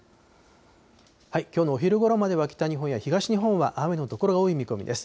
きょうのお昼ごろまでは北日本や東日本は雨の所が多い見込みです。